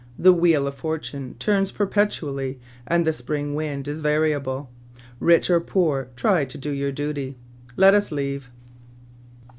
The wheel of fortune turns perpetually, and the spring wind is variable. Rich or poor, try to do your duty.' Let us leave."